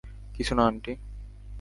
কিছু না, আন্টি।